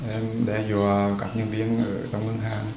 em để vừa các nhân viên trong ngân hàng